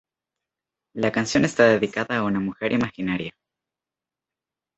La canción está dedicada a una mujer imaginaria.